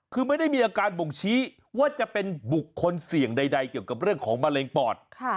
คือไม่ได้มีอาการบ่งชี้ว่าจะเป็นบุคคลเสี่ยงใดเกี่ยวกับเรื่องของมะเร็งปอด